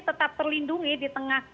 tetap terlindungi di tengah